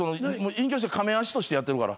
隠居してカメアシとしてやってるから。